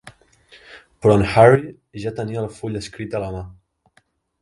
Però en Harry ja tenia el full escrit a la mà.